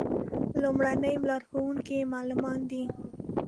لومړني لارښوونکي یې معلمان دي.